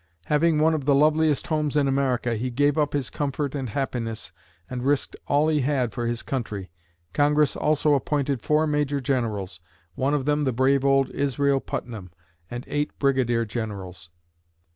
Having one of the loveliest homes in America, he gave up his comfort and happiness and risked all he had for his country. Congress also appointed four major generals one of them the brave old Israel Putnam and eight brigadier generals.